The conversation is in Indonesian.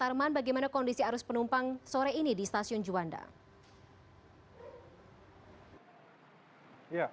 arman bagaimana kondisi arus penumpang sore ini di stasiun juanda